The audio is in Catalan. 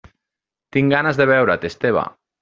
Tinc ganes de veure't, Esteve.